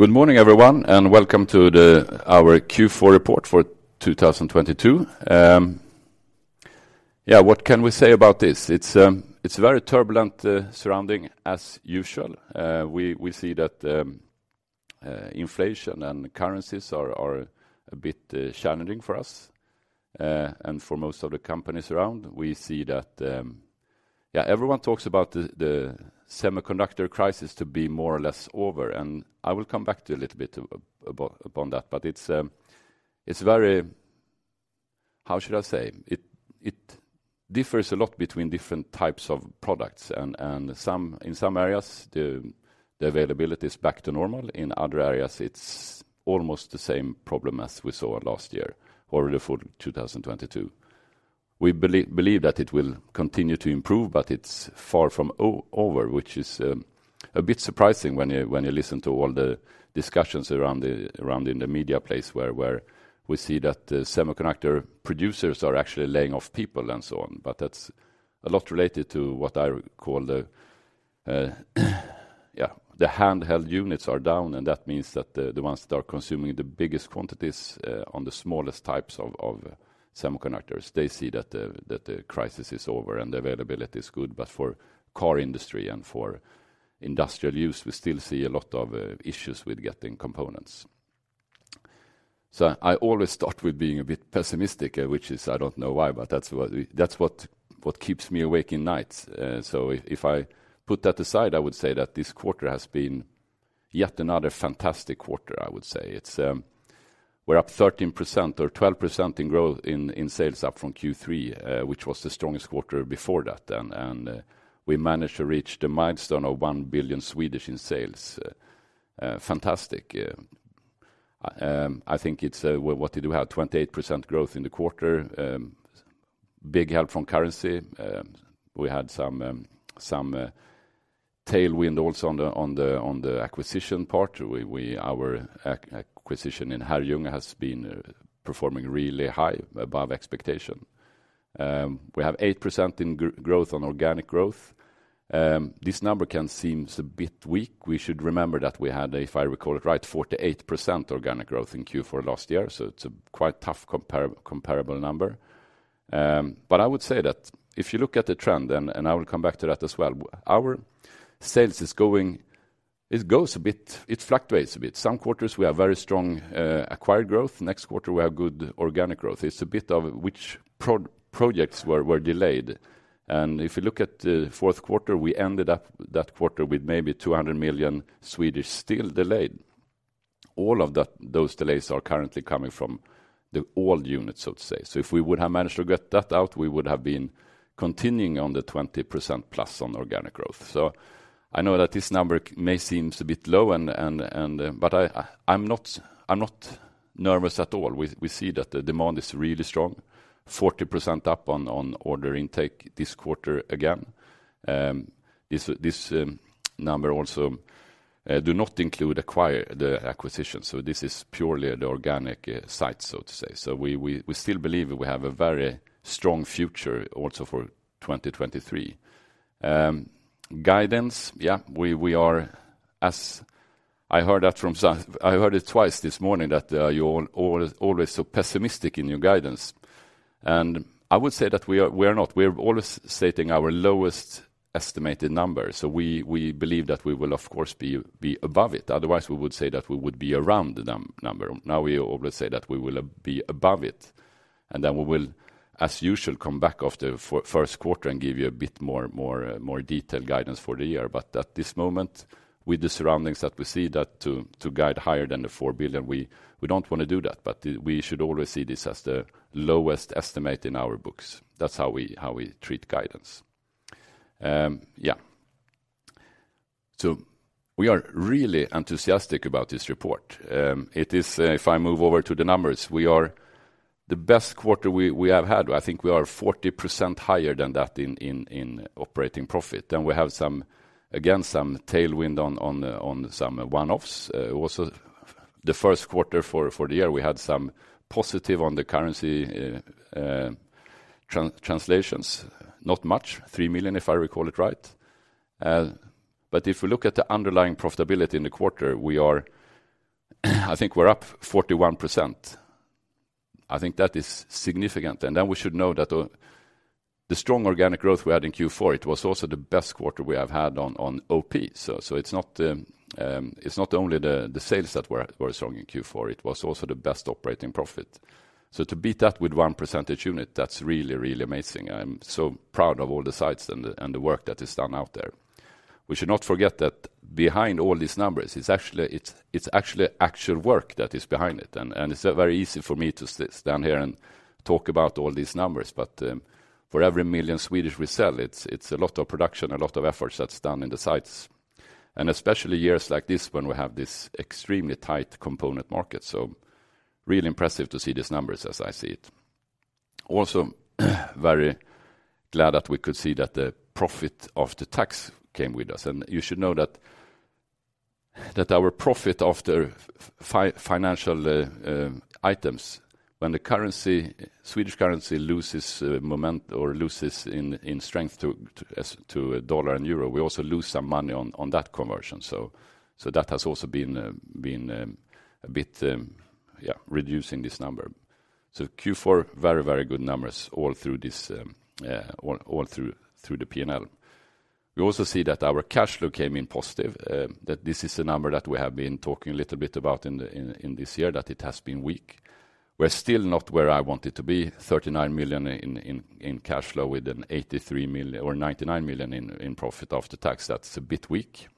Good morning, everyone, and welcome to our Q4 report for 2022. Yeah, what can we say about this? It's very turbulent surrounding as usual. We see that inflation and currencies are a bit challenging for us and for most of the companies around. We see that, yeah, everyone talks about the semiconductor crisis to be more or less over, and I will come back to you a little bit upon that. It's very. How should I say? It differs a lot between different types of products and in some areas the availability is back to normal. In other areas, it's almost the same problem as we saw last year or for 2022. We believe that it will continue to improve, but it's far from over, which is a bit surprising when you, when you listen to all the discussions around the media place where we see that the semiconductor producers are actually laying off people and so on. That's a lot related to what I would call the, yeah, the handheld units are down, and that means that the ones that are consuming the biggest quantities on the smallest types of semiconductors, they see that the, that the crisis is over and the availability is good. For car industry and for industrial use, we still see a lot of issues with getting components. I always start with being a bit pessimistic, which is I don't know why, but that's what keeps me awake in nights. If I put that aside, I would say that this quarter has been yet another fantastic quarter, I would say. It's, we're up 13% or 12% in growth in sales up from Q3, which was the strongest quarter before that. We managed to reach the milestone of 1 billion in sales. Fantastic. I think it's, what did we have? 28% growth in the quarter. Big help from currency. We had some tailwind also on the acquisition part. Our acquisition in Herrljunga has been performing really high, above expectation. We have 8% in growth on organic growth. This number can seems a bit weak. We should remember that we had, if I recall it right, 48% organic growth in Q4 last year, so it's a quite tough comparable number. I would say that if you look at the trend, and I will come back to that as well, our sales is going, it goes a bit, it fluctuates a bit. Some quarters we have very strong acquired growth. Next quarter, we have good organic growth. It's a bit of which projects were delayed. If you look at the fourth quarter, we ended up that quarter with maybe 200 million still delayed. All of those delays are currently coming from the old units, so to say. If we would have managed to get that out, we would have been continuing on the 20%+ on organic growth. I know that this number may seem a bit low. I'm not nervous at all. We see that the demand is really strong, 40% up on order intake this quarter again. This number also do not include the acquisition, so this is purely the organic site, so to say. We still believe we have a very strong future also for 2023. Guidance, yeah, we are as I heard that from I heard it twice this morning that you're always so pessimistic in your guidance. I would say that we are not. We are always stating our lowest estimated number. We believe that we will, of course, be above it. Otherwise, we would say that we would be around the number. We always say that we will be above it, and then we will, as usual, come back after first quarter and give you a bit more, more detailed guidance for the year. At this moment, with the surroundings that we see that to guide higher than the 4 billion, we don't want to do that. We should always see this as the lowest estimate in our books. That's how we treat guidance. Yeah. We are really enthusiastic about this report. It is, if I move over to the numbers, we are the best quarter we have had. I think we are 40% higher than that in operating profit. We have some, again, some tailwind on some one-offs. Also the Q1 for the year, we had some positive on the currency translations, not much, 3 million, if I recall it right. If we look at the underlying profitability in the quarter, I think we're up 41%. I think that is significant. Then we should know that the strong organic growth we had in Q4, it was also the best quarter we have had on OP. It's not only the sales that were strong in Q4, it was also the best operating profit. To beat that with one percentage unit, that's really amazing. I'm so proud of all the sites and the work that is done out there. We should not forget that behind all these numbers, it's actually actual work that is behind it. It's very easy for me to stand here and talk about all these numbers. For every 1 million we sell, it's a lot of production, a lot of efforts that's done in the sites, and especially years like this when we have this extremely tight component market. Really impressive to see these numbers as I see it. Also, very glad that we could see that the profit after tax came with us. You should know that our profit after financial items. When the currency, Swedish currency loses or loses in strength to U.S. dollar and euro, we also lose some money on that conversion. That has also been a bit reducing this number. Q4, very, very good numbers all through the P&L. We also see that our cash flow came in positive, that this is a number that we have been talking a little bit about in this year, that it has been weak. We're still not where I want it to be, 39 million in cash flow with an 83 million or 99 million in profit after tax, that's a bit weak.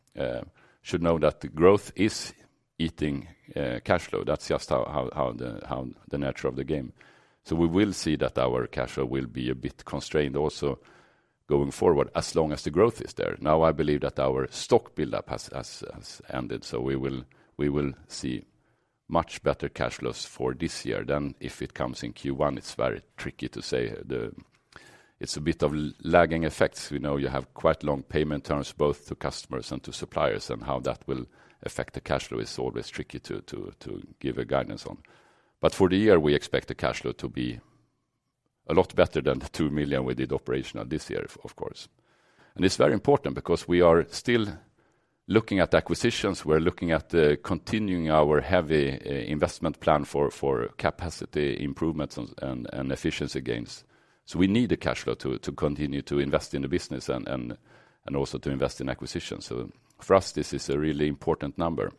Should note that the growth is eating cash flow. That's just how the nature of the game. We will see that our cash flow will be a bit constrained also going forward as long as the growth is there. I believe that our stock buildup has ended, so we will see much better cash flows for this year than if it comes in Q1. It's very tricky to say. It's a bit of lagging effects. We know you have quite long payment terms, both to customers and to suppliers, and how that will affect the cash flow is always tricky to give a guidance on. For the year, we expect the cash flow to be a lot better than the 2 million we did operational this year, of course. It's very important because we are still looking at acquisitions. We're looking at continuing our heavy investment plan for capacity improvements and efficiency gains. We need the cash flow to continue to invest in the business and also to invest in acquisitions. For us, this is a really important number.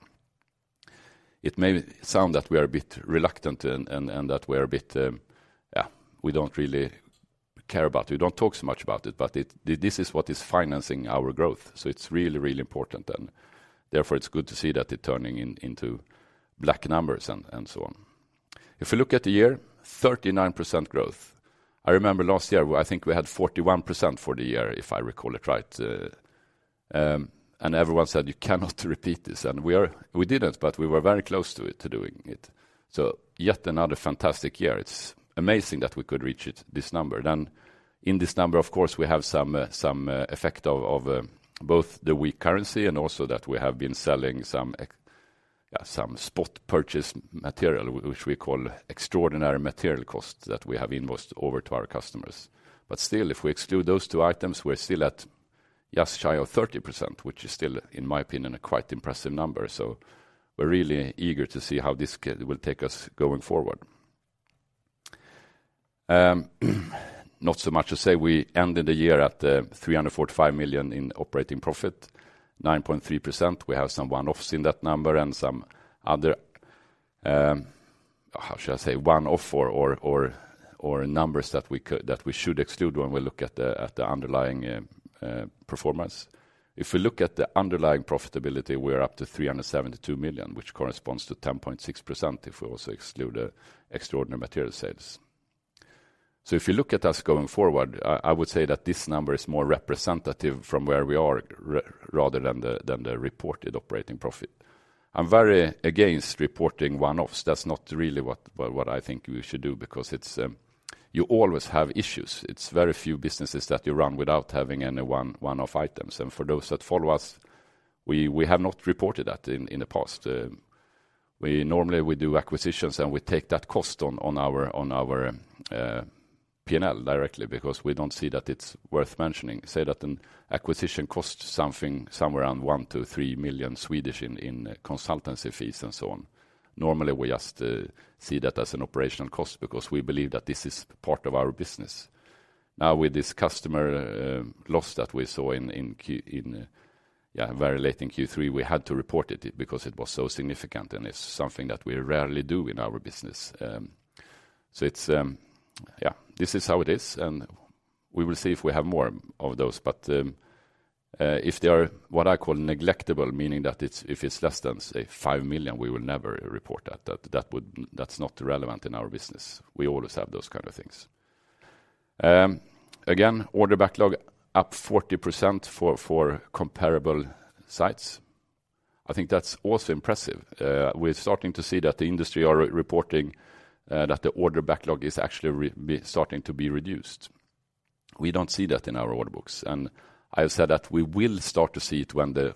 It may sound that we are a bit reluctant and that we're a bit, yeah, we don't really care about it. We don't talk so much about it, but this is what is financing our growth, so it's really, really important. Therefore, it's good to see that it turning into black numbers and so on. If you look at the year, 39% growth. I remember last year, I think we had 41% for the year, if I recall it right, and everyone said, "You cannot repeat this." We didn't, but we were very close to it, to doing it. Yet another fantastic year. It's amazing that we could reach it, this number. In this number, of course, we have some effect of both the weak currency and also that we have been selling some spot purchase material, which we call extraordinary material costs that we have invoiced over to our customers. Still, if we exclude those two items, we're still at just shy of 30%, which is still, in my opinion, a quite impressive number. We're really eager to see how this will take us going forward. Not so much to say, we ended the year at 345 million in operating profit, 9.3%. We have some one-offs in that number and some other, how should I say, one-off or numbers that we should exclude when we look at the underlying performance. If we look at the underlying profitability, we are up to 372 million, which corresponds to 10.6% if we also exclude extraordinary material sales. If you look at us going forward, I would say that this number is more representative from where we are rather than the reported operating profit. I'm very against reporting one-offs. That's not really what I think we should do because it's, you always have issues. It's very few businesses that you run without having any one-off items. For those that follow us, we have not reported that in the past. We normally do acquisitions, and we take that cost on our P&L directly because we don't see that it's worth mentioning. Say that an acquisition costs something somewhere around 1 million-3 million in consultancy fees and so on. Normally, we just see that as an operational cost because we believe that this is part of our business. Now, with this customer loss that we saw very late in Q3, we had to report it because it was so significant, and it's something that we rarely do in our business. It's, yeah. This is how it is, and we will see if we have more of those. If they are what I call negligible, meaning that if it's less than, say, 5 million, we will never report that. That's not relevant in our business. We always have those kind of things. Again, order backlog up 40% for comparable sites. I think that's also impressive. We're starting to see that the industry are reporting that the order backlog is actually starting to be reduced. We don't see that in our order books. I said that we will start to see it when the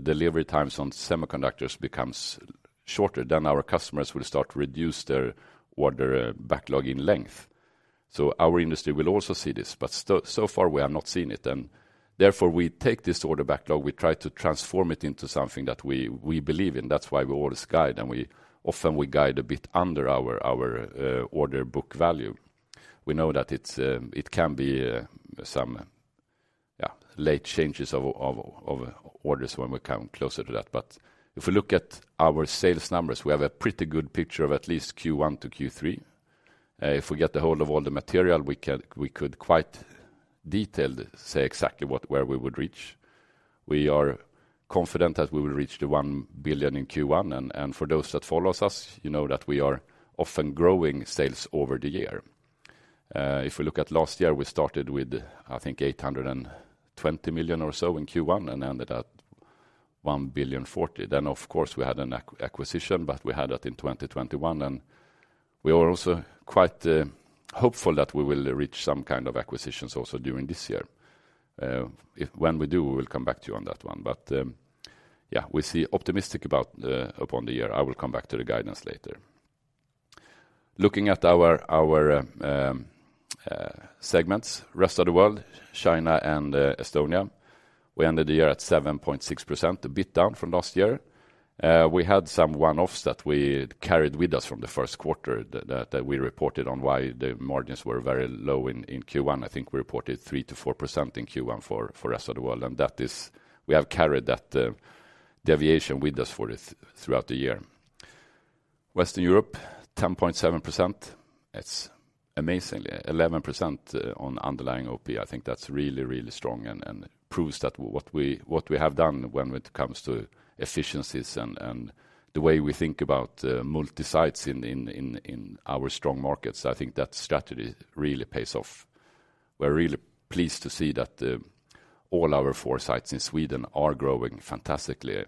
delivery times on semiconductors becomes shorter, then our customers will start to reduce their order backlog in length. Our industry will also see this, but so far we have not seen it, and therefore, we take this order backlog, we try to transform it into something that we believe in. That's why we always guide, and we often guide a bit under our order book value. We know that it's, it can be some late changes of orders when we come closer to that. If we look at our sales numbers, we have a pretty good picture of at least Q1 to Q3. If we get a hold of all the material, we could quite detailed say exactly what, where we would reach. We are confident that we will reach 1 billion in Q1. For those that follows us, you know that we are often growing sales over the year. If we look at last year, we started with, I think, 820 million or so in Q1 and ended at 1.04 billion. Of course, we had an acquisition, but we had that in 2021. We are also quite hopeful that we will reach some kind of acquisitions also during this year. When we do, we will come back to you on that one. Yeah, we see optimistic about upon the year. I will come back to the guidance later. Looking at our segments, rest of the world, China and Estonia, we ended the year at 7.6%, a bit down from last year. We had some one-offs that we carried with us from the first quarter that we reported on why the margins were very low in Q1. I think we reported 3%-4% in Q1 for rest of the world, we have carried that deviation with us throughout the year. Western Europe, 10.7%. It's amazingly 11% on underlying OP. I think that's really strong and proves that what we have done when it comes to efficiencies and the way we think about multi-sites in our strong markets, I think that strategy really pays off. We're really pleased to see that all our four sites in Sweden are growing fantastically,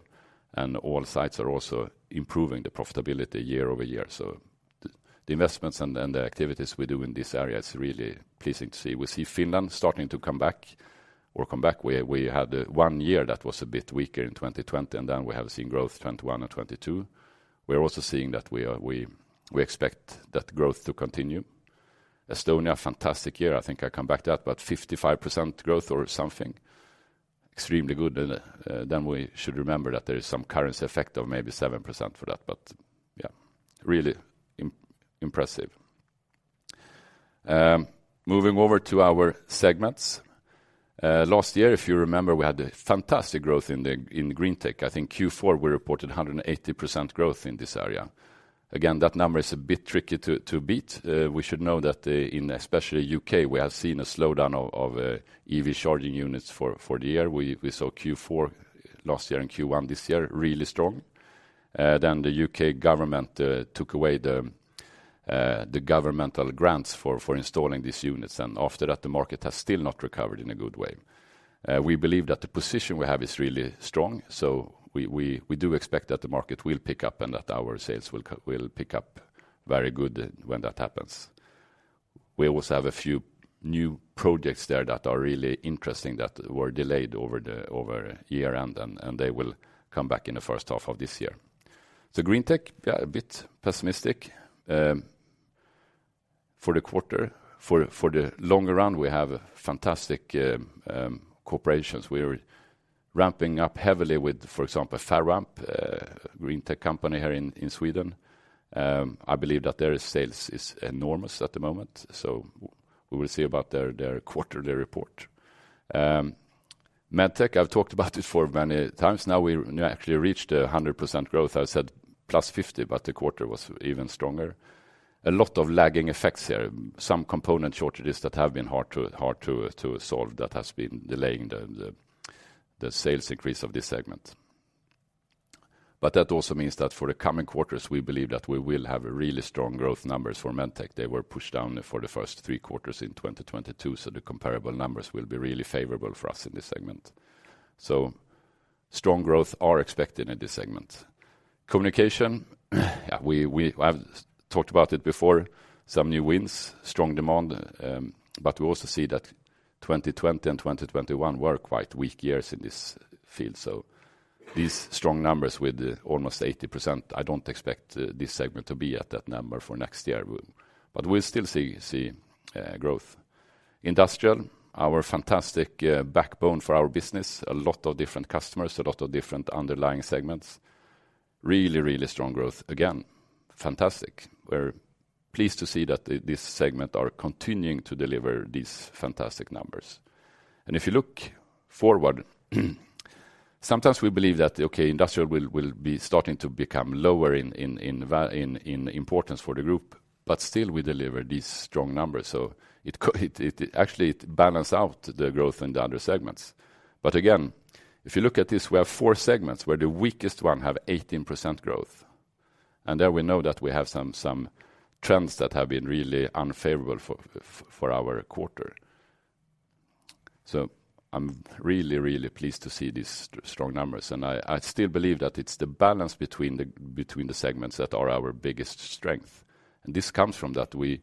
and all sites are also improving the profitability year-over-year. The investments and the activities we do in this area is really pleasing to see. We see Finland starting to come back, or come back. We had one year that was a bit weaker in 2020, and then we have seen growth 2021 and 2022. We are also seeing that we expect that growth to continue. Estonia, fantastic year. I think I come back to that, but 55% growth or something extremely good. Then we should remember that there is some currency effect of maybe 7% for that. Yeah, really impressive. Moving over to our segments. Last year, if you remember, we had a fantastic growth in Green Tech. I think Q4, we reported 180% growth in this area. Again, that number is a bit tricky to beat. We should know that in especially U.K., we have seen a slowdown of EV charging units for the year. We saw Q4 last year and Q1 this year really strong. The U.K. government took away the governmental grants for installing these units, and after that, the market has still not recovered in a good way. We believe that the position we have is really strong, so we do expect that the market will pick up and that our sales will pick up very good when that happens. We also have a few new projects there that are really interesting that were delayed over year-end, they will come back in the first half of this year. Green Tech, yeah, a bit pessimistic for the quarter. For the long run, we have fantastic corporations. We're ramping up heavily with, for example, Ferroamp, Green Tech company here in Sweden. I believe that their sales is enormous at the moment, so we will see about their quarterly report. Med Tech, I've talked about it for many times now. We now actually reached 100% growth. I said +50%, the quarter was even stronger. A lot of lagging effects here. Some component shortages that have been hard to solve that has been delaying the sales increase of this segment. That also means that for the coming quarters, we believe that we will have a really strong growth numbers for Med Tech. They were pushed down for the first three quarters in 2022, the comparable numbers will be really favorable for us in this segment. Strong growth are expected in this segment. Communication, yeah, we have talked about it before. Some new wins, strong demand, but we also see that 2020 and 2021 were quite weak years in this field. These strong numbers with almost 80%, I don't expect this segment to be at that number for next year, but we'll still see growth. Industrial, our fantastic backbone for our business. A lot of different customers, a lot of different underlying segments. Really strong growth again. Fantastic. We're pleased to see that this segment are continuing to deliver these fantastic numbers. If you look forward, sometimes we believe that, okay, Industrial will be starting to become lower in importance for the group, but still we deliver these strong numbers. It actually it balance out the growth in the other segments. Again, if you look at this, we have four segments where the weakest one have 18% growth. There we know that we have some trends that have been really unfavorable for our quarter. I'm really, really pleased to see these strong numbers, and I still believe that it's the balance between the segments that are our biggest strength. This comes from that we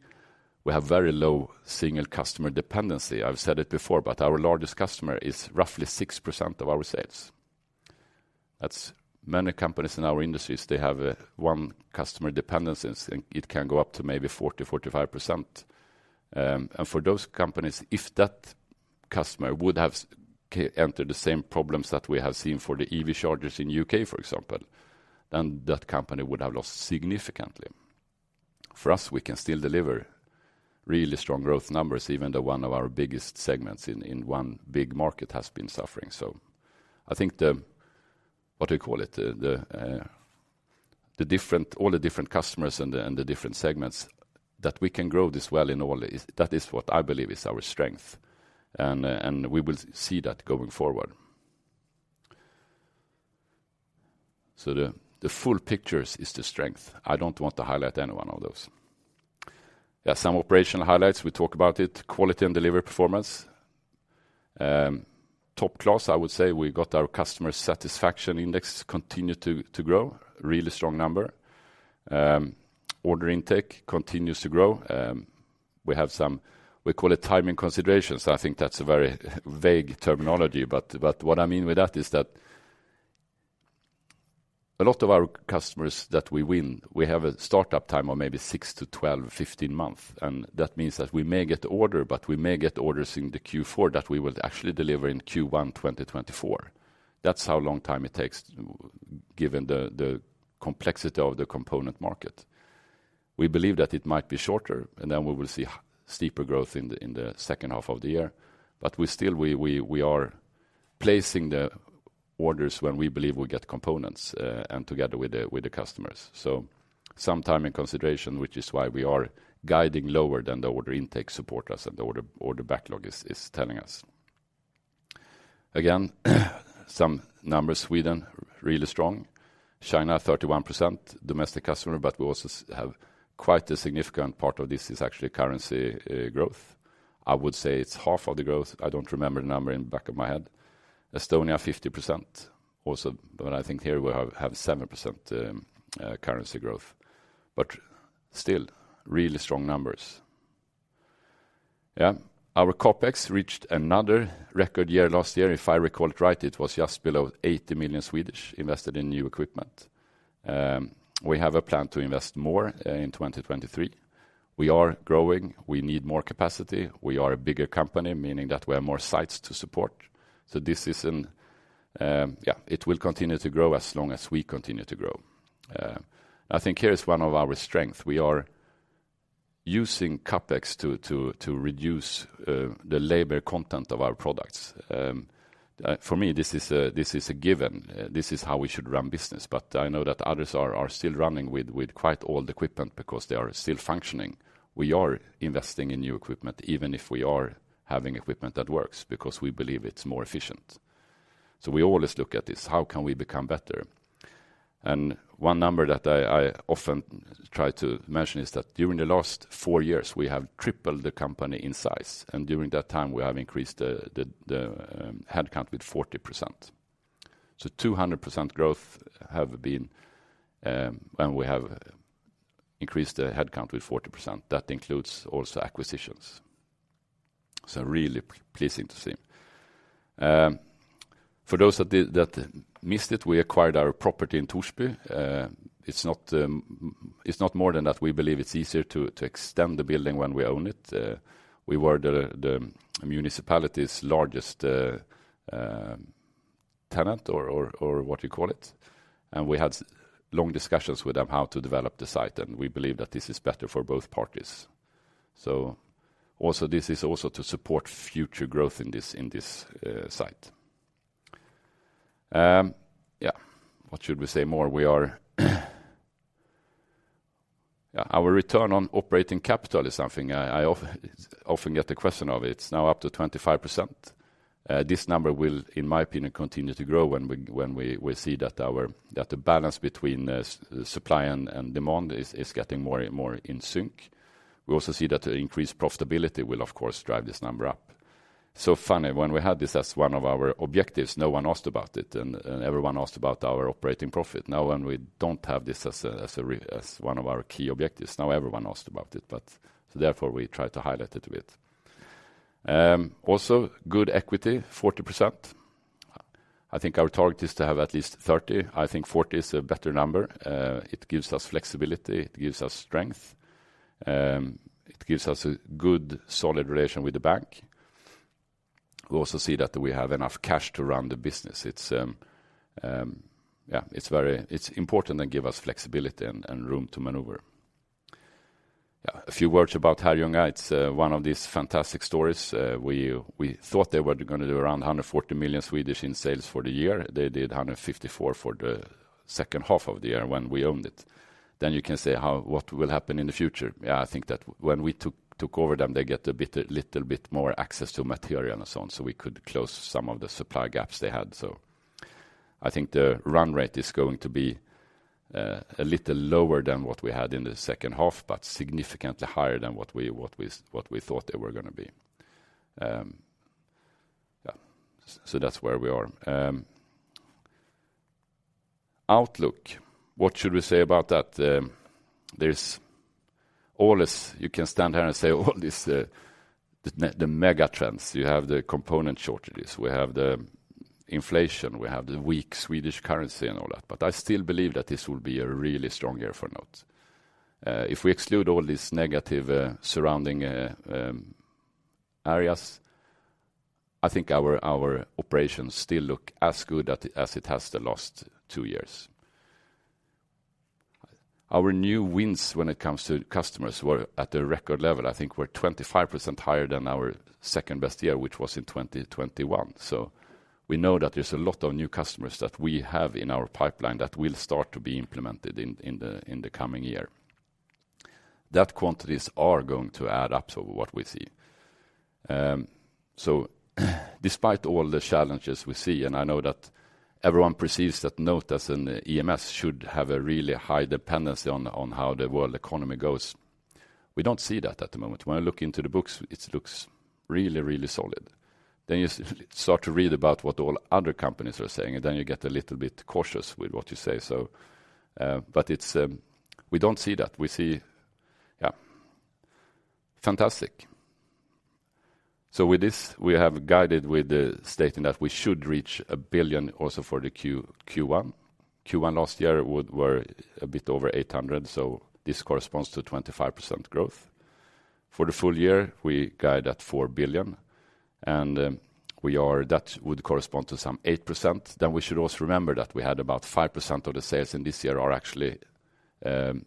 have very low single customer dependency. I've said it before, but our largest customer is roughly 6% of our sales. That's many companies in our industries, they have one customer dependencies, and it can go up to maybe 40%-45%. For those companies, if that customer would have entered the same problems that we have seen for the EV chargers in UK, for example, then that company would have lost significantly. For us, we can still deliver really strong growth numbers, even though one of our biggest segments in one big market has been suffering. I think the, what do you call it? The all the different customers and the different segments that we can grow this well in all is that is what I believe is our strength. We will see that going forward. The full pictures is the strength. I don't want to highlight any one of those. Some operational highlights. We talk about it, quality and delivery performance. Top class, I would say. We got our customer satisfaction index continue to grow, really strong number. Order intake continues to grow. We have some, we call it timing considerations. I think that's a very vague terminology, but what I mean with that is that a lot of our customers that we win, we have a startup time of maybe 6-12, 15 months. That means that we may get the order, but we may get orders in the Q4 that we will actually deliver in Q1 2024. That's how long time it takes given the complexity of the component market. We believe that it might be shorter, and then we will see steeper growth in the second half of the year. We still, we are placing the orders when we believe we get components and together with the customers. Some timing consideration, which is why we are guiding lower than the order intake support us and the order backlog is telling us. Again, some numbers. Sweden, really strong. China, 31% domestic customer, but we also have quite a significant part of this is actually currency growth. I would say it's half of the growth. I don't remember the number in the back of my head. Estonia, 50% also, but I think here we have 7% currency growth. Still, really strong numbers. Yeah. Our CapEx reached another record year last year. If I recall it right, it was just below 80 million invested in new equipment. We have a plan to invest more in 2023. We are growing. We need more capacity. We are a bigger company, meaning that we have more sites to support. This is in, it will continue to grow as long as we continue to grow. I think here is one of our strengths. We are using CapEx to reduce the labor content of our products. For me, this is a given. This is how we should run business. I know that others are still running with quite old equipment because they are still functioning. We are investing in new equipment, even if we are having equipment that works because we believe it's more efficient. We always look at this, how can we become better? One number that I often try to mention is that during the last 4 years, we have tripled the company in size, and during that time, we have increased the headcount with 40%. We have increased the headcount with 40%. That includes also acquisitions. Really pleasing to see. For those that missed it, we acquired our property in Torsby. It's not more than that. We believe it's easier to extend the building when we own it. We were the municipality's largest tenant or what you call it. We had long discussions with them how to develop the site, and we believe that this is better for both parties. Also this is also to support future growth in this site. Yeah. What should we say more? Yeah, our return on operating capital is something I often get the question of. It's now up to 25%. This number will, in my opinion, continue to grow when we see that the balance between supply and demand is getting more in sync. We also see that increased profitability will, of course, drive this number up. Funny, when we had this as one of our objectives, no one asked about it, and everyone asked about our operating profit. Now, when we don't have this as one of our key objectives, now everyone asked about it, therefore, we try to highlight it a bit. Also good equity, 40%. I think our target is to have at least 30. I think 40 is a better number. It gives us flexibility. It gives us strength. It gives us a good, solid relation with the bank. We also see that we have enough cash to run the business. It's very important and give us flexibility and room to maneuver. A few words about Herrljunga. It's one of these fantastic stories. We thought they were gonna do around 140 million in sales for the year. They did 154 for the second half of the year when we owned it. You can say how, what will happen in the future. I think that when we took over them, they get a little bit more access to material and so on, so we could close some of the supply gaps they had, so. I think the run rate is going to be a little lower than what we had in the second half, but significantly higher than what we thought they were gonna be. Yeah. That's where we are. Outlook. What should we say about that? There's always, you can stand here and say, all this, the mega trends. You have the component shortages, we have the inflation, we have the weak Swedish currency and all that. I still believe that this will be a really strong year for Note. If we exclude all these negative surrounding areas, I think our operations still look as good at, as it has the last two years. Our new wins when it comes to customers were at a record level, I think were 25% higher than our second-best year, which was in 2021. We know that there's a lot of new customers that we have in our pipeline that will start to be implemented in the, in the coming year. That quantities are going to add up to what we see. Despite all the challenges we see, and I know that everyone perceives that NOTE as an EMS should have a really high dependency on how the world economy goes. We don't see that at the moment. When I look into the books, it looks really, really solid. You start to read about what all other companies are saying, then you get a little bit cautious with what you say. It's, we don't see that. We see, yeah, fantastic. With this, we have guided with the statement that we should reach 1 billion also for the Q1. Q1 last year were a bit over 800 million, this corresponds to 25% growth. For the full year, we guide at 4 billion, that would correspond to some 8%. We should also remember that we had about 5% of the sales, this year are actually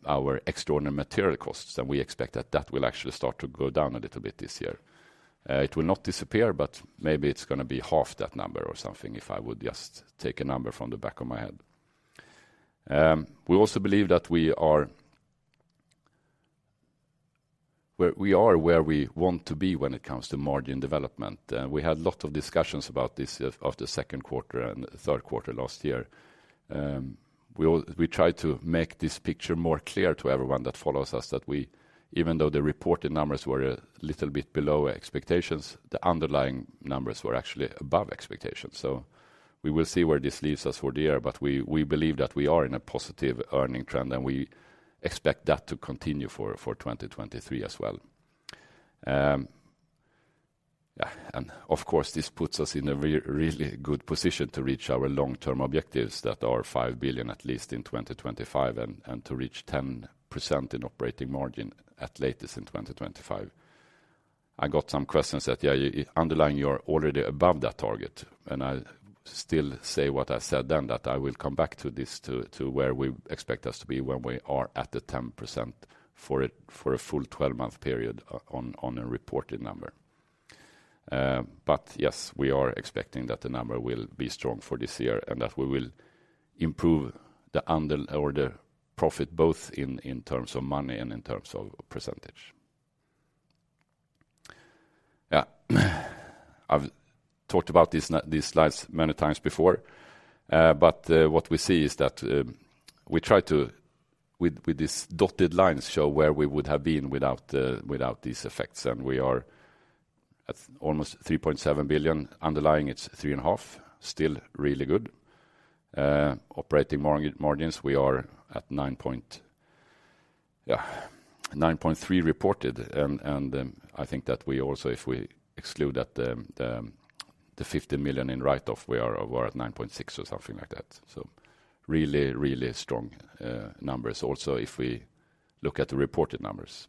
our extraordinary material costs, we expect that that will actually start to go down a little bit this year. It will not disappear, but maybe it's going to be half that number or something, if I would just take a number from the back of my head. We also believe that we are where we want to be when it comes to margin development. We had a lot of discussions about this of the second quarter and third quarter last year. We tried to make this picture more clear to everyone that follows us that we, even though the reported numbers were a little bit below expectations, the underlying numbers were actually above expectations. We will see where this leaves us for the year, but we believe that we are in a positive earning trend, and we expect that to continue for 2023 as well. Yeah, of course, this puts us in a really good position to reach our long-term objectives that are 5 billion at least in 2025 and to reach 10% in operating margin at latest in 2025. I got some questions that, underlying you are already above that target. I still say what I said then, that I will come back to this to where we expect us to be when we are at the 10% for a full 12-month period on a reported number. Yes, we are expecting that the number will be strong for this year and that we will improve the under or the profit both in terms of money and in terms of percentage. Yeah. I've talked about these slides many times before, but what we see is that we try to, with these dotted lines, show where we would have been without these effects, and we are at almost 3.7 billion. Underlying, it's 3.5 billion, still really good. Operating margins, we are at 9.3% reported, and I think that we also, if we exclude that 50 million in write-off, we are over at 9.6% or something like that. Really, really strong numbers also if we look at the reported numbers.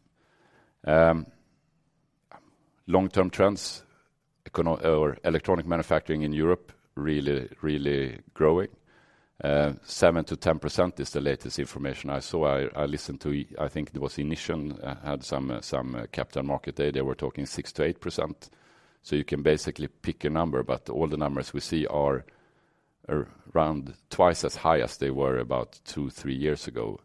Long-term trends, electronic manufacturing in Europe really, really growing. 7%-10% is the latest information I saw. I listened to, I think it was Infront, had some capital market data. They were talking 6%-8%. You can basically pick a number, but all the numbers we see are around twice as high as they were about two, three years ago,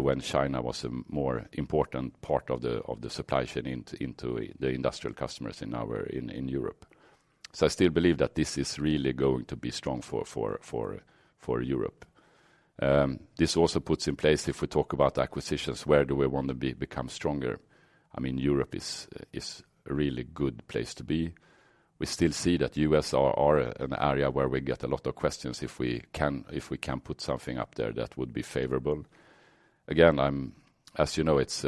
when China was a more important part of the supply chain into the Industrial customers in our, in Europe. I still believe that this is really going to be strong for Europe. This also puts in place if we talk about acquisitions, where do we want to become stronger? I mean, Europe is a really good place to be. We still see that U.S. are an area where we get a lot of questions if we can put something up there that would be favorable. Again, I'm, as you know, it's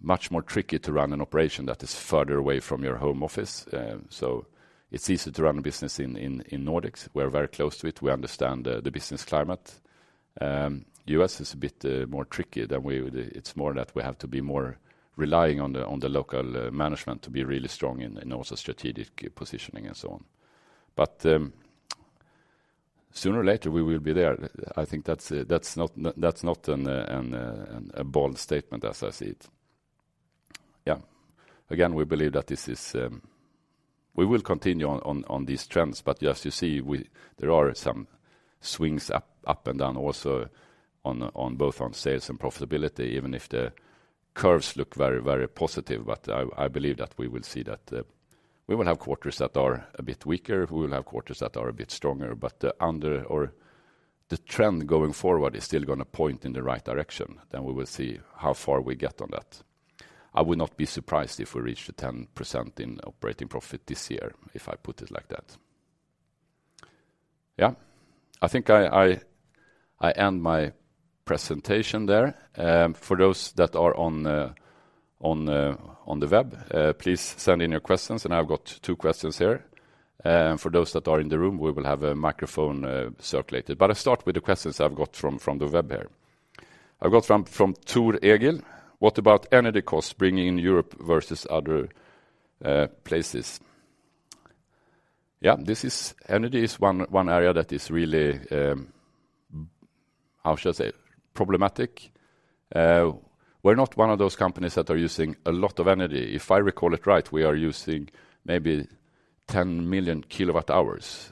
much more tricky to run an operation that is further away from your home office. It's easy to run a business in Nordics. We're very close to it. We understand the business climate. U.S. is a bit more tricky than it's more that we have to be more relying on the local management to be really strong in also strategic positioning and so on. Sooner or later, we will be there. I think that's that's not an a bold statement as I see it. Yeah. We believe that this is, we will continue on these trends, as you see, there are some swings up and down also on both on sales and profitability, even if the curves look very positive. I believe that we will see that we will have quarters that are a bit weaker, we will have quarters that are a bit stronger, the trend going forward is still going to point in the right direction. We will see how far we get on that. I would not be surprised if we reach the 10% in operating profit this year, if I put it like that. I think I end my presentation there. For those that are on the web, please send in your questions, I've got two questions here. For those that are in the room, we will have a microphone circulated. I start with the questions I've got from the web here. I've got from Tor Egil: What about energy costs bringing in Europe versus other places? Yeah. Energy is one area that is really, how should I say, problematic. We're not one of those companies that are using a lot of energy. If I recall it right, we are using maybe 10 million kWh.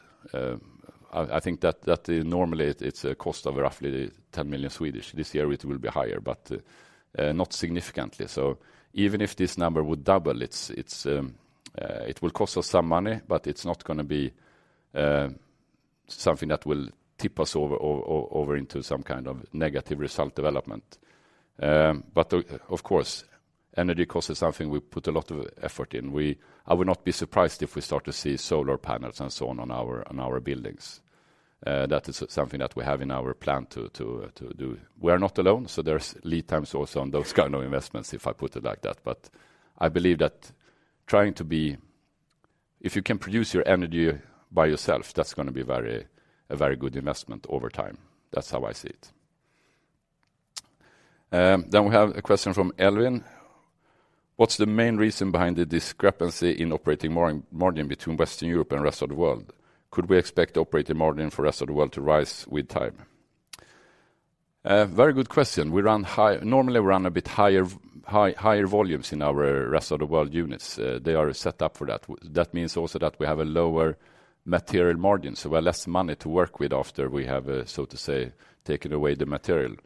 I think that normally it's a cost of roughly 10 million. This year, it will be higher, not significantly. Even if this number would double, it will cost us some money, but it's not going to be Something that will tip us over into some kind of negative result development. Of course, energy cost is something we put a lot of effort in. I would not be surprised if we start to see solar panels and so on on our, on our buildings. That is something that we have in our plan to do. We are not alone, so there's lead times also on those kind of investments, if I put it like that. I believe that trying to be if you can produce your energy by yourself, that's gonna be a very good investment over time. That's how I see it. We have a question from Alvin. What's the main reason behind the discrepancy in operating margin between Western Europe and rest of the world? Could we expect operating margin for rest of the world to rise with time? Very good question. Normally, we run a bit higher volumes in our rest of the world units. They are set up for that. That means also that we have a lower material margin, so we have less money to work with after we have, so to say, taken away the material.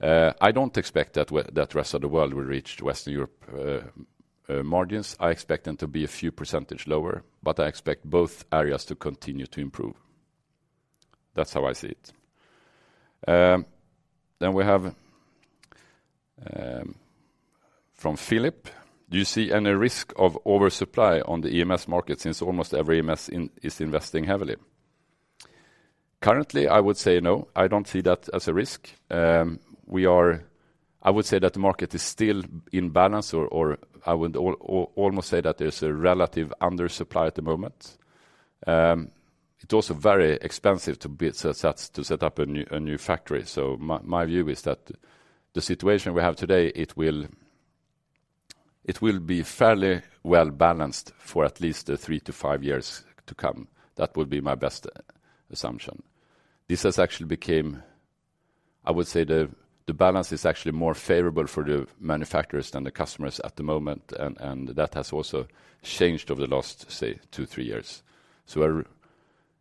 I don't expect that rest of the world will reach Western Europe margins. I expect them to be a few % lower, but I expect both areas to continue to improve. That's how I see it. We have from Philip. Do you see any risk of oversupply on the EMS market since almost every EMS is investing heavily? Currently, I would say no, I don't see that as a risk. I would say that the market is still in balance, or I would almost say that there's a relative undersupply at the moment. It's also very expensive to build such sets to set up a new, a new factory. My view is that the situation we have today, it will be fairly well-balanced for at least three to five years to come. That would be my best assumption. This has actually became, I would say the balance is actually more favorable for the manufacturers than the customers at the moment, and that has also changed over the last, say, two, three years.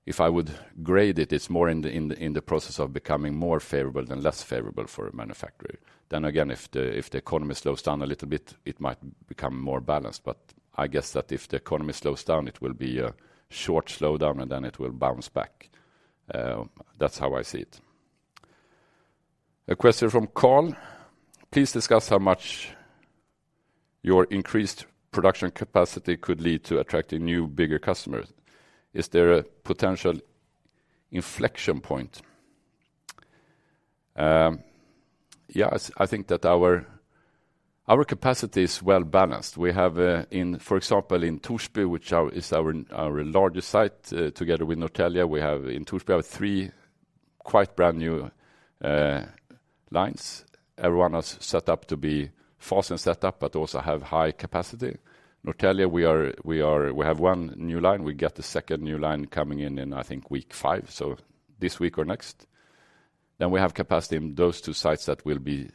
If I would grade it's more in the process of becoming more favorable than less favorable for a manufacturer. If the economy slows down a little bit, it might become more balanced. I guess that if the economy slows down, it will be a short slowdown, and then it will bounce back. That's how I see it. A question from Carl. Please discuss how much your increased production capacity could lead to attracting new, bigger customers. Is there a potential inflection point? Yes, I think that our capacity is well-balanced. We have, for example, in Torsby, which is our largest site, together with Norrtälje, we have in Torsby, we have three quite brand-new lines. Everyone is set up to be fast and set up, but also have high capacity. Norrtälje, we have one new line. We get the second new line coming in in, I think, week five, so this week or next. We have capacity in those two sites that will be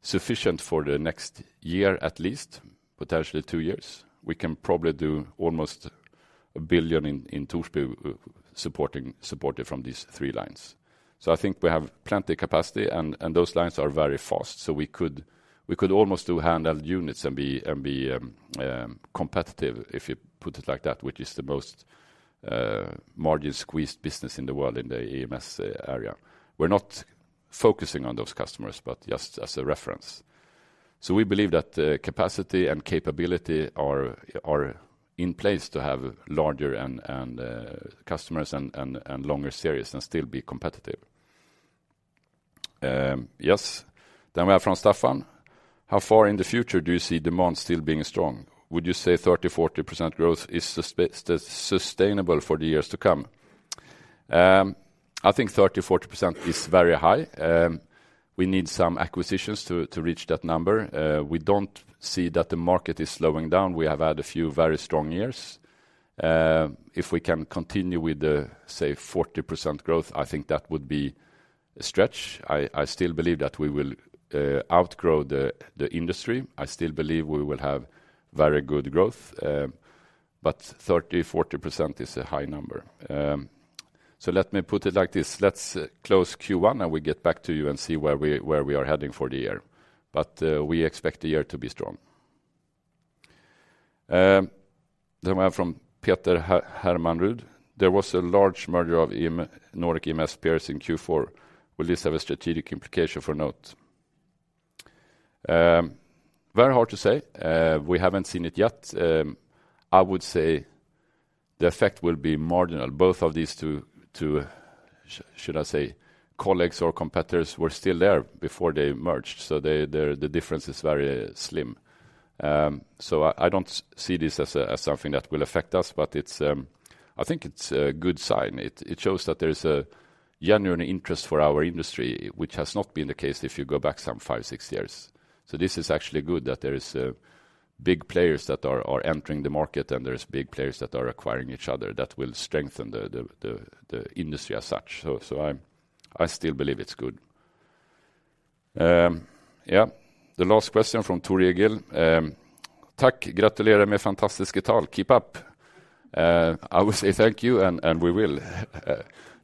sufficient for the next year at least, potentially two years. We can probably do almost 1 billion in Torsby supporting, supported from these three lines. I think we have plenty capacity and those lines are very fast. We could almost do handle units and be competitive if you put it like that, which is the most margin-squeezed business in the world in the EMS area. We're not focusing on those customers, but just as a reference. We believe that the capacity and capability are in place to have larger and customers and longer series and still be competitive. Yes. We have from Staffan. How far in the future do you see demand still being strong? Would you say 30%-40% growth is sustainable for the years to come? I think 30%-40% is very high. We need some acquisitions to reach that number. We don't see that the market is slowing down. We have had a few very strong years. If we can continue with the, say, 40% growth, I think that would be a stretch. I still believe that we will outgrow the industry. I still believe we will have very good growth, 30%-40% is a high number. Let me put it like this. Let's close Q1, and we get back to you and see where we are heading for the year. We expect the year to be strong. We have from Peter Hermanrud. There was a large merger of Nordic EMS peers in Q4. Will this have a strategic implication for NOTE? Very hard to say. We haven't seen it yet. I would say the effect will be marginal. Both of these two, should I say, colleagues or competitors were still there before they merged, so the difference is very slim. So I don't see this as something that will affect us, but it's, I think it's a good sign. It shows that there is a genuine interest for our industry, which has not been the case if you go back some five, six years. This is actually good that there is big players that are entering the market, and there is big players that are acquiring each other that will strengthen the industry as such. I still believe it's good. Yeah. The last question from Turi Gil. Keep up. I would say thank you, and we will.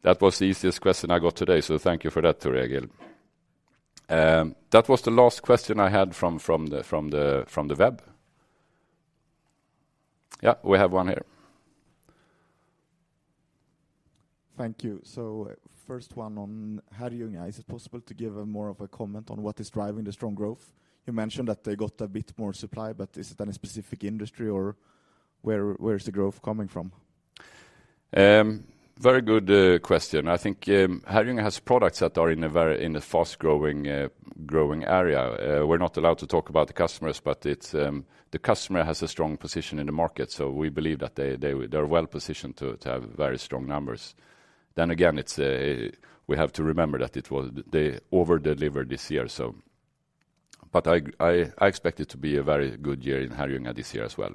That was the easiest question I got today, thank you for that, Turi Gil. That was the last question I had from the web. Yeah, we have one here. Thank you. First one on Herrljunga. Is it possible to give a more of a comment on what is driving the strong growth? You mentioned that they got a bit more supply, is it any specific industry or where is the growth coming from? Very good question. I think Herrljunga has products that are in a fast-growing area. We're not allowed to talk about the customers, but it's the customer has a strong position in the market, so we believe that they are well-positioned to have very strong numbers. Then again, it's we have to remember that they over-delivered this year, so. I expect it to be a very good year in Herrljunga this year as well.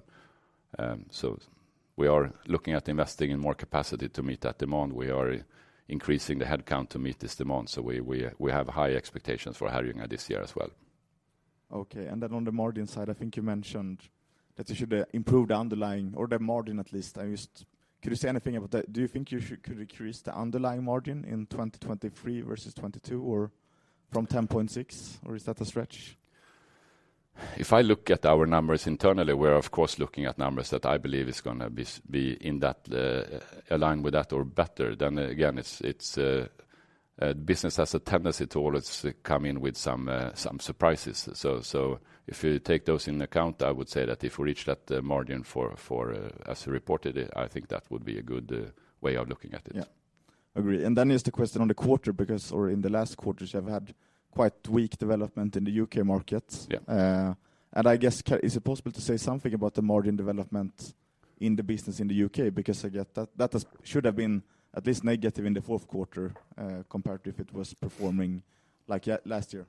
We are looking at investing in more capacity to meet that demand. We are increasing the headcount to meet this demand, so we have high expectations for Herrljunga this year as well. Okay. On the margin side, I think you mentioned that you should improve the underlying or the margin at least. Could you say anything about that? Do you think you could increase the underlying margin in 2023 versus 2022 or from 10.6%, or is that a stretch? If I look at our numbers internally, we're of course looking at numbers that I believe is gonna be in that aligned with that or better. Again, it's business has a tendency to always come in with some surprises. If you take those into account, I would say that if we reach that margin for as we reported, I think that would be a good way of looking at it. Yeah. Agree. Then is the question on the quarter or in the last quarters, you have had quite weak development in the U.K. markets. Yeah. I guess is it possible to say something about the margin development in the business in the U.K.? Because I get that should have been at least negative in the fourth quarter compared to if it was performing like last year.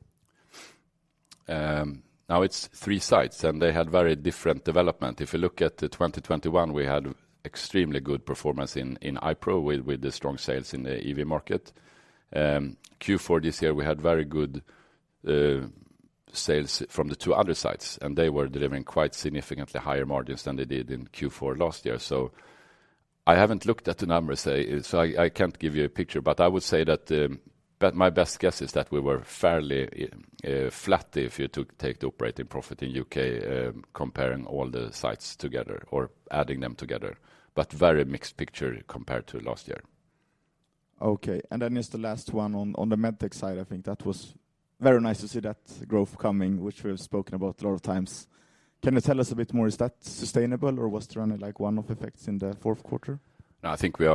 Now it's three sites, and they had very different development. If you look at the 2021, we had extremely good performance in iPRO with the strong sales in the EV market. Q4 this year, we had very good sales from the two other sites, and they were delivering quite significantly higher margins than they did in Q4 last year. I haven't looked at the numbers, so I can't give you a picture, but I would say that my best guess is that we were fairly flat if you take the operating profit in U.K., comparing all the sites together or adding them together, but very mixed picture compared to last year. Okay. Then is the last one on the Med Tech side. I think that was very nice to see that growth coming, which we have spoken about a lot of times. Can you tell us a bit more, is that sustainable or was there only like one-off effects in the fourth quarter? No, I think we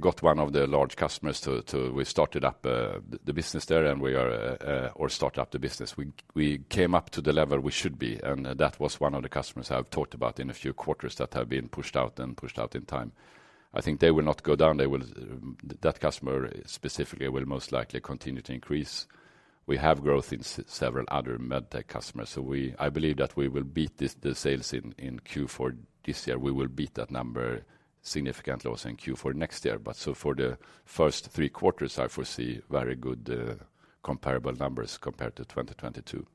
got one of the large customers. We started up the business there. We came up to the level we should be, and that was one of the customers I've talked about in a few quarters that have been pushed out and pushed out in time. I think they will not go down. They will. That customer specifically will most likely continue to increase. We have growth in several other Med Tech customers. I believe that we will beat the sales in Q4 this year. We will beat that number significantly also in Q4 next year. For the first three quarters, I foresee very good comparable numbers compared to 2022.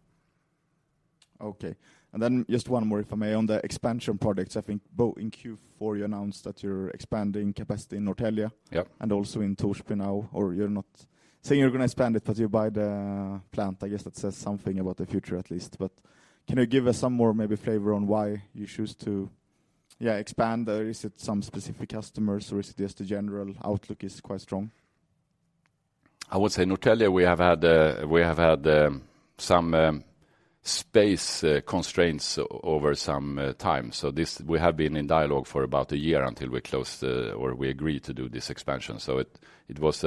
Okay. Then just one more, if I may. On the expansion products, I think both in Q4 you announced that you're expanding capacity in Norrtälje. Yeah. Also in Torsby now, or you're not saying you're going to expand it, but you buy the plant. I guess that says something about the future at least. Can you give us some more maybe flavor on why you choose to, yeah, expand? Is it some specific customers or is it just the general outlook is quite strong? I would say Norrtälje we have had, we have had some space constraints over some time. This, we have been in dialogue for about a year until we closed, or we agreed to do this expansion. It, it was,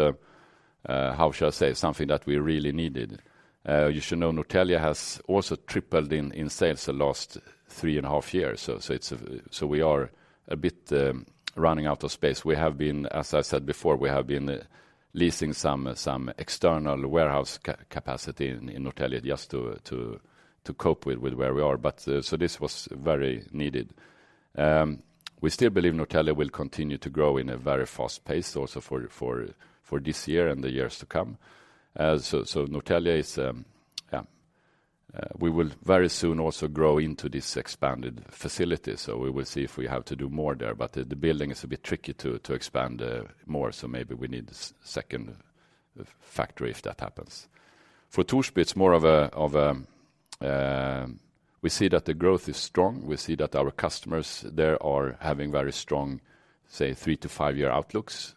how shall I say, something that we really needed. You should know Norrtälje has also tripled in sales the last three and a half years. It's, so we are a bit running out of space. We have been, as I said before, we have been leasing some external warehouse capacity in Norrtälje just to cope with where we are. This was very needed. We still believe Norrtälje will continue to grow in a very fast pace also for this year and the years to come. Norrtälje is, we will very soon also grow into this expanded facility, so we will see if we have to do more there. The building is a bit tricky to expand more, so maybe we need second factory if that happens. For Torsby, it's more of a, we see that the growth is strong. We see that our customers there are having very strong, say, 3-5-year outlooks.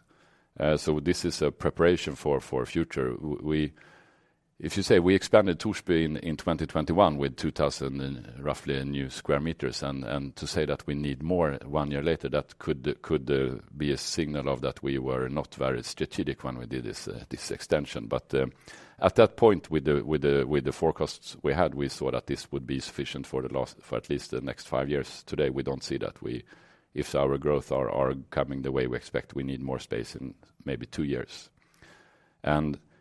This is a preparation for future. If you say we expanded Torsby in 2021 with 2,000 roughly new square meters and to say that we need more one year later, that could be a signal of that we were not very strategic when we did this extension. At that point with the forecasts we had, we saw that this would be sufficient for at least the next five years. Today, we don't see that. If our growth are coming the way we expect, we need more space in maybe two years.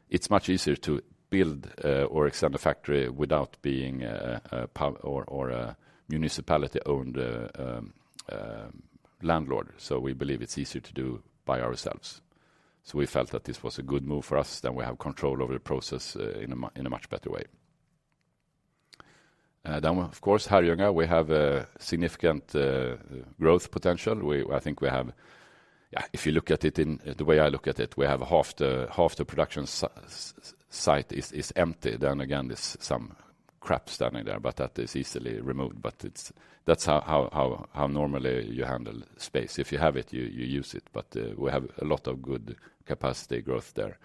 It's much easier to build or extend a factory without being or a municipality-owned landlord. We believe it's easier to do by ourselves. We felt that this was a good move for us, then we have control over the process in a much better way. Of course, Herrljunga, we have a significant growth potential. I think we have. Yeah, if you look at it the way I look at it, we have half the production site is empty. Again, there's some crap standing there, but that is easily removed. That's how normally you handle space. If you have it, you use it. We have a lot of good capacity growth there.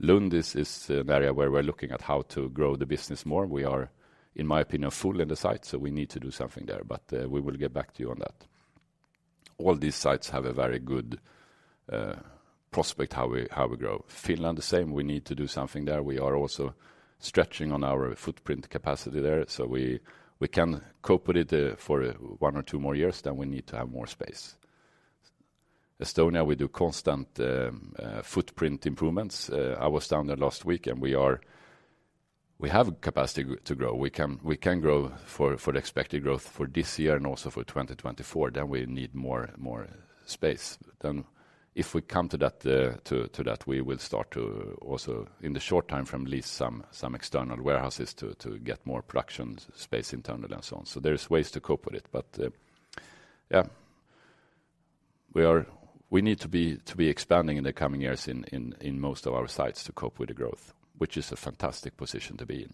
Lund is an area where we're looking at how to grow the business more. We are, in my opinion, full in the site, so we need to do something there, but we will get back to you on that. All these sites have a very good prospect how we, how we grow. Finland, the same. We need to do something there. We are also stretching on our footprint capacity there, so we can cope with it for one or two more years, then we need to have more space. Estonia, we do constant footprint improvements. I was down there last week, and we have capacity to grow. We can grow for the expected growth for this year and also for 2024, then we need more space. If we come to that, to that, we will start to also in the short time frame lease some external warehouses to get more production space internal and so on. There is ways to cope with it, but, yeah. We need to be expanding in the coming years in most of our sites to cope with the growth, which is a fantastic position to be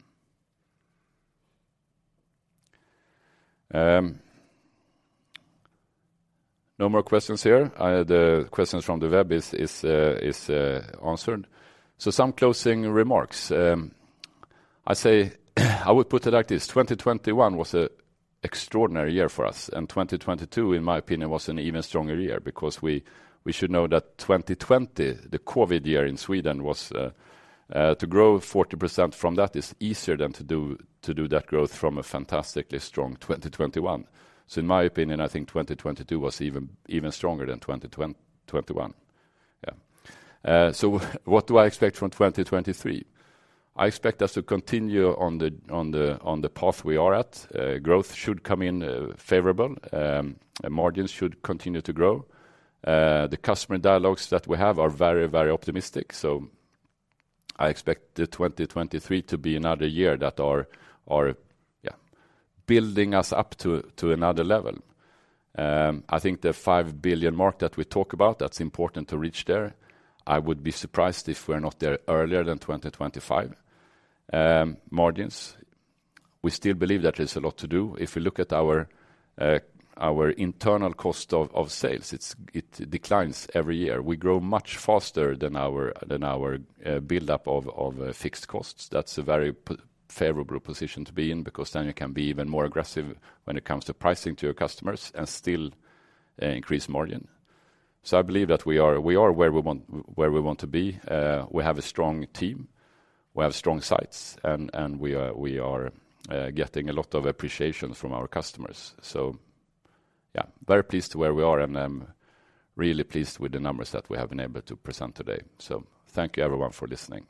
in. No more questions here. The questions from the web is answered. Some closing remarks. I say, I would put it like this: 2021 was an extraordinary year for us, and 2022, in my opinion, was an even stronger year because we should know that 2020, the COVID year in Sweden was to grow 40% from that is easier than to do that growth from a fantastically strong 2021. In my opinion, I think 2022 was even stronger than 2021. Yeah. What do I expect from 2023? I expect us to continue on the path we are at. Growth should come in favorable, and margins should continue to grow. The customer dialogues that we have are very optimistic, I expect 2023 to be another year that are building us up to another level. I think the 5 billion mark that we talk about, that's important to reach there. I would be surprised if we're not there earlier than 2025. Margins, we still believe that there's a lot to do. If you look at our internal cost of sales, it declines every year. We grow much faster than our build-up of fixed costs. That's a very favorable position to be in because then you can be even more aggressive when it comes to pricing to your customers and still increase margin. I believe that we are where we want to be. We have a strong team, we have strong sites, and we are getting a lot of appreciation from our customers. Yeah, very pleased where we are, and I'm really pleased with the numbers that we have been able to present today. Thank you, everyone, for listening.